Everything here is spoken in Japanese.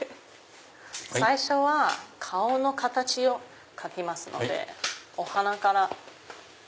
最初は顔の形を描きますのでお鼻から。